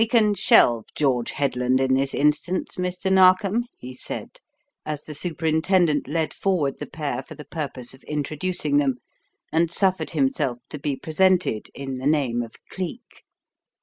"We can shelve 'George Headland' in this instance, Mr. Narkom," he said, as the superintendent led forward the pair for the purpose of introducing them, and suffered himself to be presented in the name of Cleek.